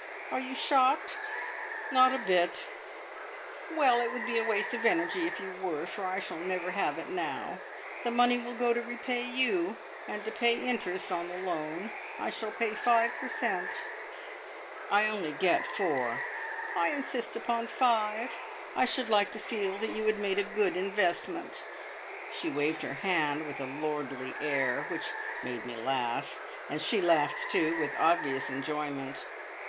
Are you shocked?" "Not a bit!" "Well, it would be a waste of energy if you were, for I shall never have it now. The money will go to repay you and to pay interest on the loan. I shall pay five per cent." "I only get four." "I insist upon five! I should like to feel that you had made a good investment." She waved her hand with a lordly air which made me laugh. And she laughed, too, with obvious enjoyment.